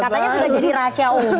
katanya sudah jadi rahasia umum